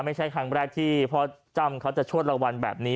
ไม่ใช่ครั้งแรกที่พ่อจ้ำเขาจะชวดรางวัลแบบนี้